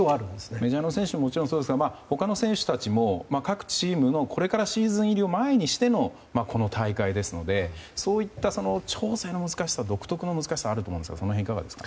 メジャーの選手はもちろんそうですが他の選手たちも各チームのこれからのシーズン入りを前にしてのこの大会ですのでそういった調整の難しさ独特の難しさがあると思いますが。